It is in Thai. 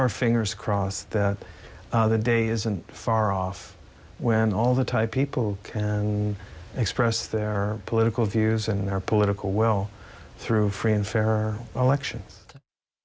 เราต้องรับทราบว่าวันนี้ไม่มีเวลาที่ทหารไทยจะพูดถึงความคิดภูมิและความคิดภูมิด้วยการจัดการสินค้า